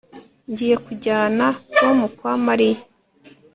Ngiye kujyana Tom kwa Mariya